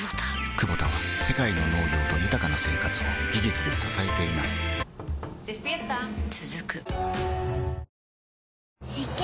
クボタは世界の農業と豊かな生活を技術で支えています起きて。